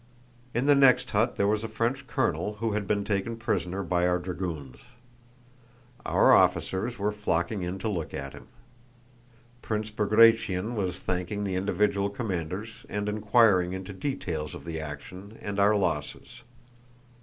In the next hut there was a French colonel who had been taken prisoner by our dragoons. Our officers were flocking in to look at him. Prince Bagratión was thanking the individual commanders and inquiring into details of the action and our losses.